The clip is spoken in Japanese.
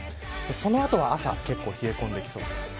その後は朝結構、冷え込んできそうです。